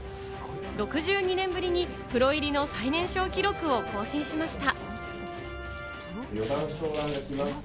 ６２年ぶりにプロ入りの最年少記録を更新しました。